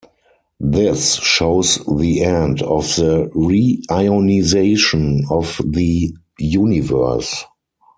This shows the end of the reionization of the universe.